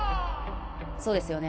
そうですよね？